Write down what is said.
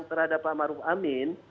terhadap pak maruf amin